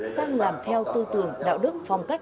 sang làm theo tư tưởng đạo đức phong cách